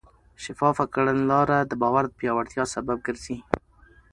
شفافه کړنلاره د باور پیاوړتیا سبب ګرځي.